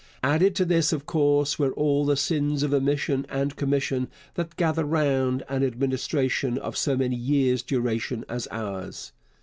Added to this, of course, were all the sins of omission and commission that gather round an administration of so many years' duration as ours.